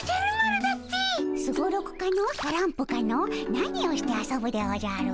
何をして遊ぶでおじゃる。